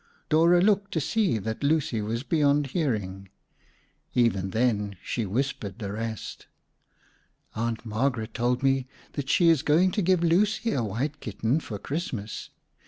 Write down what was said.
Dora looked to see that Lucy was beyond hearing. Even then, she whispered the rest. "Aunt Margaret told me that she is going to give Lucy a white kitten for Christmas.